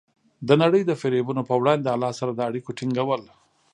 د نړۍ د فریبونو په وړاندې د الله سره د اړیکو ټینګول.